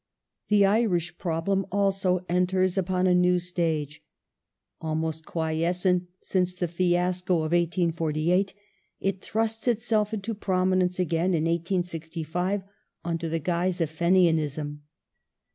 The Irish problem, also, enters upon a new stage. Almost quiescent since the fiasco of 1848, it thrusts itself into prominence again in 1865 under the guise of Fenianism.